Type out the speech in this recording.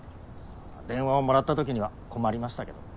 まあ電話をもらったときには困りましたけど。